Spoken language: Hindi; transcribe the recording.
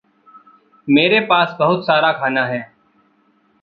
मेरे पास बहुत सारा खाना है।